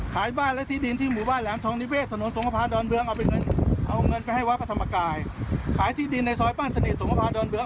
ขายที่ดีในซอยป้านสนิทสมภาธรรมดอนเบื้อง